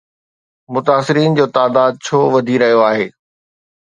متاثرين جو تعداد ڇو وڌي رهيو آهي؟